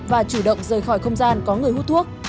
và chủ động rời khỏi không gian có người hút thuốc